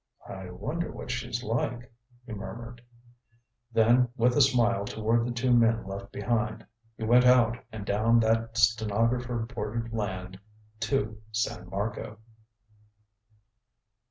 "I wonder what she's like?" he murmured. Then, with a smile toward the two men left behind, he went out and down that stenographer bordered land to San Marco.